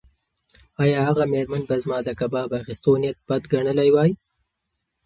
ایا هغه مېرمن به زما د کباب اخیستو نیت بد ګڼلی وای؟